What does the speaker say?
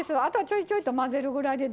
ちょいちょいと混ぜるぐらいで。